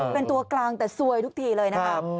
เป็นตัวกลางแต่ซวยทุกทีเลยนะคะ